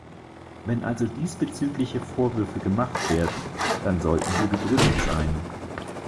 Wenn also diesbezügliche Vorwürfe gemacht werden, dann sollten sie begründet sein.